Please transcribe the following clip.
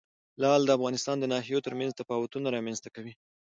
لعل د افغانستان د ناحیو ترمنځ تفاوتونه رامنځ ته کوي.